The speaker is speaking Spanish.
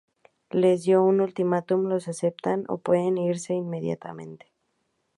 Les dio un ultimatum: lo aceptan o pueden irse inmediatamente.